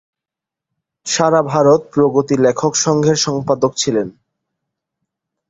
সারা ভারত প্রগতি লেখক সংঘের সম্পাদক ছিলেন।